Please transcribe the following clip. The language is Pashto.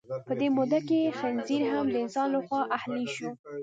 په دې موده کې خنزیر هم د انسان لخوا اهلي شو.